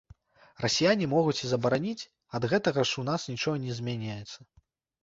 Расіяне могуць і забараніць, ад гэтага ж у нас нічога не змяняецца.